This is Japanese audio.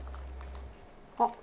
あっ。